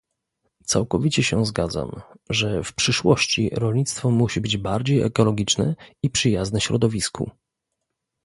Całkowicie się zgadzam, że w przyszłości rolnictwo musi być bardziej ekologiczne i przyjazne środowisku